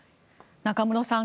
中室さん